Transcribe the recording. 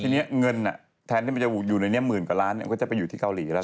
ทีนี้เงินแทนที่มันจะอยู่ในนี้หมื่นกว่าล้านก็จะไปอยู่ที่เกาหลีแล้ว